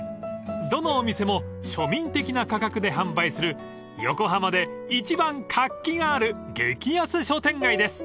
どのお店も庶民的な価格で販売する横浜で一番活気がある激安商店街です］